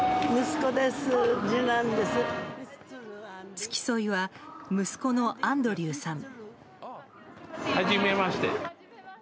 付き添いは息子のアンドリューさん。